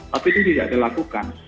tapi itu tidak dilakukan